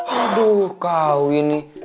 aduh kau ini